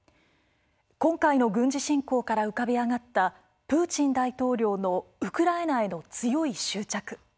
今回の軍事侵攻から浮かび上がったプーチン大統領のウクライナへの強い執着。